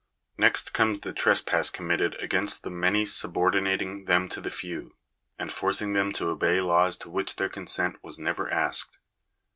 Next comes the trespass committed against the many by sub ordinating them to the few, and forcing them to obey laws to which their consent was never asked.